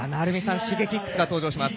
Ｓｈｉｇｅｋｉｘが登場します。